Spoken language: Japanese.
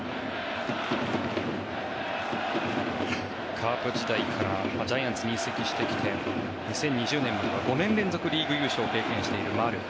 カープ時代からジャイアンツに移籍してきて２０２０年には５年連続リーグ優勝を経験している丸。